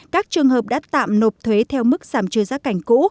các trường hợp đã tạm nộp thuế theo mức giảm trừ giá cảnh cũ